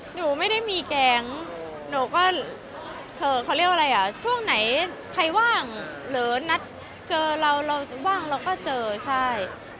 หนูไม่ได้มีแก๊งหนูก็เขาเรียกว่าอะไรอ่ะช่วงไหนใครว่างหรือนัดเจอเราเราว่างเราก็เจอใช่